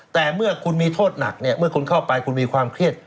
แต่เมื่อคุณมีโทษหนักเนี่ยเมื่อคุณเข้าไปคุณมีความเครียด